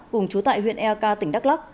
cùng trú tại huyện e a ca tỉnh đắk lắc